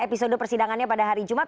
episode persidangannya pada hari jumat